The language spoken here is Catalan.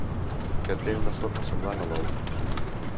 Que té una forma semblant a l'ou.